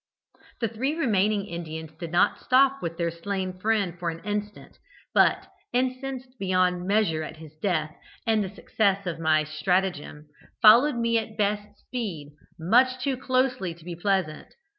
"The three remaining Indians did not stop with their slain friend for an instant, but, incensed beyond measure at his death and the success of my stratagem, followed me at best speed, much too closely to be pleasant.